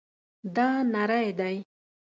دا نری دی